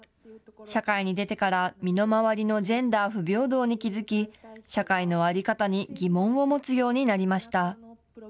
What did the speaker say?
社会に出てから身の回りのジェンダー不平等に気付き、社会の在り方に疑問を持つようになりました。